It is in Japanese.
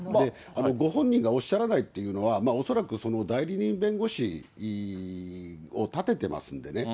ご本人がおっしゃらないというのは、恐らく代理人弁護士を立ててますんでね。